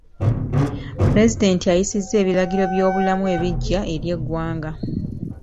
Pulezidenti ayisizza ebiragiro by'obulamu ebigya eri eggwanga.